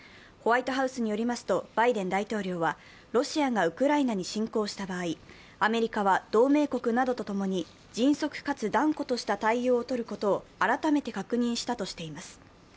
ホワイトハウルによりますと、バイデン大統領はロシアがウクライナに侵攻した場合、アメリカは同盟国などともに迅速かつ断固とした対応を取ることを改めて確認したとしています。